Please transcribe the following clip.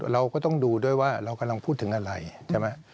เราก็ต้องดูด้วยว่าเรากำลังพูดถึงอะไรใช่ไหม